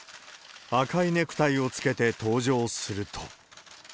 赤いネクタイをつけて登場すると。